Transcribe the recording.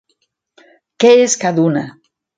Què és cada una?